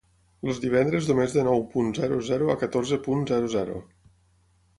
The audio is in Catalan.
Els divendres només de nou punt zero zero a catorze punt zero zero.